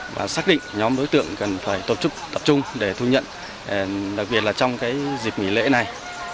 và xác định nhóm đối tượng cần phải tập trung để thu nhận đặc biệt là trong cái dịp nghỉ lễ này